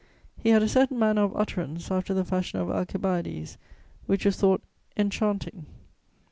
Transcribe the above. He had a certain manner of utterance, after the fashion of Alcibiades, which was thought enchanting.